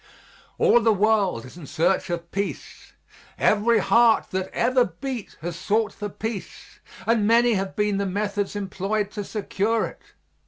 All the world is in search of peace; every heart that ever beat has sought for peace, and many have been the methods employed to secure it.